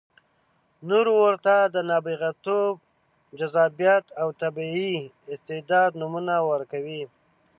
نور ورته د نابغتوب، جذابیت او طبیعي استعداد نومونه ورکوي.